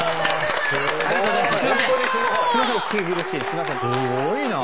すごいな。